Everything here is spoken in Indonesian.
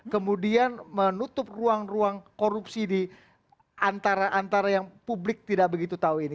kemudian menutup ruang ruang korupsi di antara antara yang publik tidak begitu tahu ini